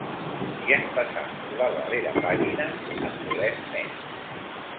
I en passar la darrera pàgina, en volem més.